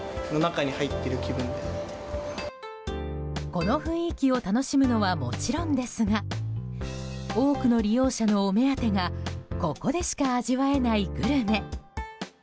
この雰囲気を楽しむのはもちろんですが多くの利用者のお目当てがここでしか味わえないグルメ。